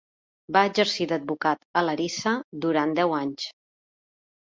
Va exercir d'advocat a Larissa durant deu anys.